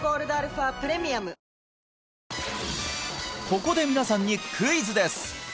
ここで皆さんにクイズです